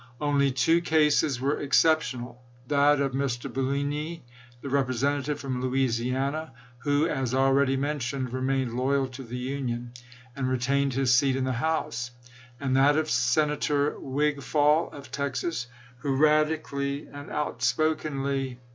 Only two cases were exceptional — that of Mr. Bouligny, the Representative from Louisiana, who, as already mentioned, remained loyal to the Union and re tained his seat in the House ; and that of Senator Wigfall, of Texas, who, radically and outspokenly 196 ABRAHAM LINCOLN chap. xiii.